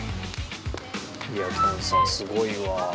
いやきょんさんすごいわ。